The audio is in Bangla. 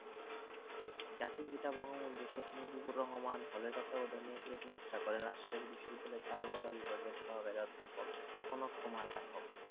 জাতির পিতা বঙ্গবন্ধু শেখ মুজিবুর রহমান হলের তত্ত্বাবধানে এর নকশা করেন রাজশাহী বিশ্ববিদ্যালয়ের চারুকলা বিভাগের সহকারী অধ্যাপক কনক কুমার পাঠক।